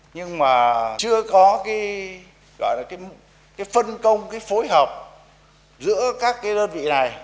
nhưng mà chưa có cái phân công cái phối hợp giữa các đơn vị này